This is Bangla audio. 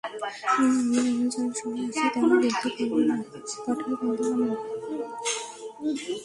আমরা যারা শহরে আছি, তারা বলতে পারব না, পাটের গন্ধ কেমন।